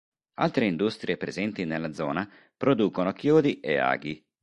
Altre industrie presenti nella zona, producono chiodi e aghi.